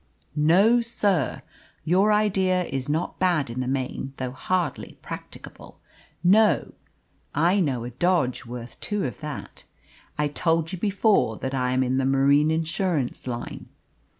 "No, sir. Your idea is not bad in the main, though hardly practicable. No. I know a dodge worth two of that! I told you before that I am in the marine insurance line.